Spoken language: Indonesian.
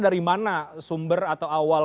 dari mana sumber atau awal